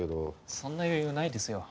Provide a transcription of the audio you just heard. そんな余裕ないですよ。